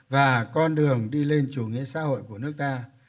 và con đường đi lên chủ nghĩa xã hội của nước ta